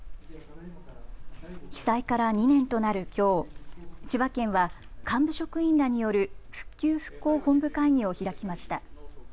被災から２年となるきょう、千葉県は幹部職員らによる復旧・復興本部会議を開きました。